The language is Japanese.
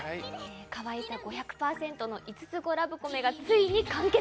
かわいさ５００％の五つ子ラブコメがついに完結。